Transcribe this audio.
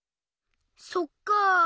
そっか。